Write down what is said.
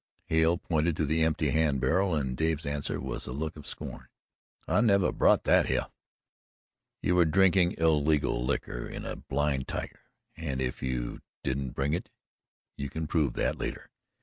Hale pointed to the empty hand barrel and Dave's answer was a look of scorn. "I nuvver brought that hyeh." "You were drinking illegal liquor in a blind tiger, and if you didn't bring it you can prove that later.